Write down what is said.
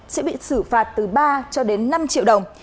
sẽ bị xử phạt từ ba cho đến năm triệu đồng